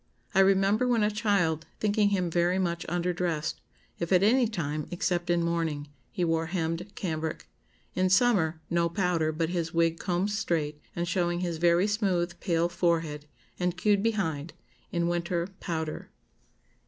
I remember, when a child, thinking him very much under dressed, if at any time, except in mourning, he wore hemmed cambric. In summer, no powder, but his wig combed straight, and showing his very smooth, pale forehead, and queued behind; in winter, powder."